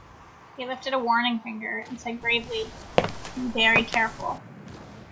He lifted a warning finger and said gravely, "Be very careful."